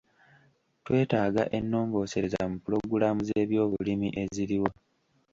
Twetaaga ennongoosereza mu pulogulaamu z'ebyobulimi eziriwo.